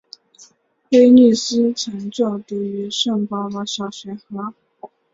威利斯曾就读于圣保罗小学和。